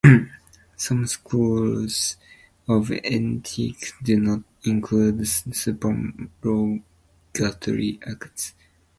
Some schools of ethics do not include supererogatory acts.